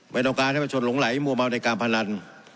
ไม่ต้องการให้ประชนหลงไหลมัวเมาในการพนัน